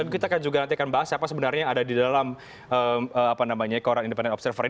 kita juga nanti akan bahas apa sebenarnya yang ada di dalam koran independent observer ini